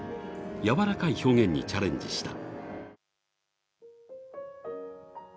柔らかい表現にチャレンジした。